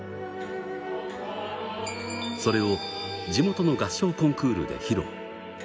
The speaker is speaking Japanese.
それを地元の合唱コンクールで披露。